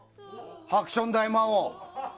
ハクション大魔王。